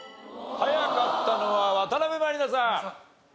早かったのは渡辺満里奈さん！